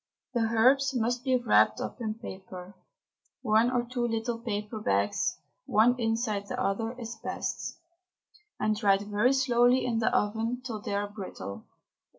The herbs must be wrapped up in paper (one or two little paper bags, one inside the other, is best), and dried very slowly in the oven till they are brittle.